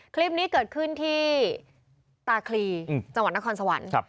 คลิปนี้เกิดขึ้นที่ตาคลีจังหวัดนครสวรรค์